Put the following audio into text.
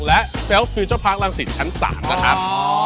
และเฟลซคือเจ้าพลังสินชั้นสามนะครับอ๋อ